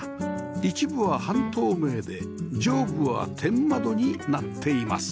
一部は半透明で上部は天窓になっています